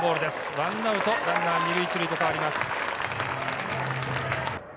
１アウト、ランナー２塁１塁と変わります。